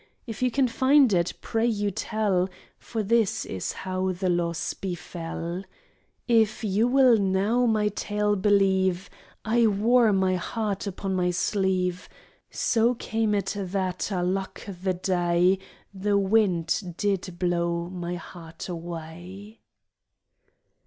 If you can find it, pray you tell, For this is how the loss befell : If you will now my tale believe, I wore my heart upon my sleeve, So came it that, alack the day ! The wind did blow my heart away.